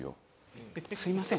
すみません。